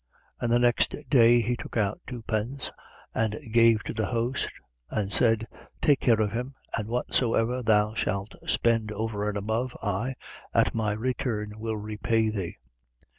10:35. And the next day he took out two pence and gave to the host and said: Take care of him; and whatsoever thou shalt spend over and above, I, at my return, will repay thee.